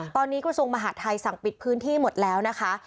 ตอนนี้กระทรวงมหาดไทยสั่งปิดพื้นที่หมดแล้วนะคะ